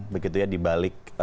begitu ya dibalik